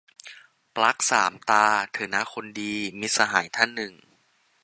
"ปลั๊กสามตา เถอะนะคนดี" - มิตรสหายท่านหนึ่ง